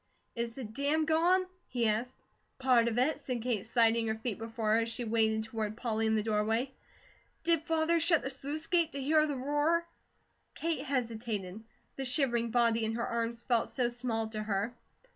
"Is the dam gone?" he asked. "Part of it," said Kate, sliding her feet before her, as she waded toward Polly in the doorway. "Did Father shut the sluice gate, to hear the roar?" Kate hesitated. The shivering body in her arms felt so small to her.